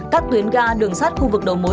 các tuyến ga đường sắt khu vực đầu mối